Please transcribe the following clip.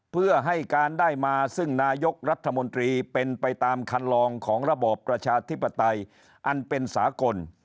เพื่อให้การได้มาซึ่งนายกรัฐมนตรีเป็นไปตามคันลองของระบอบประชาธิปไตยอันเป็นสากล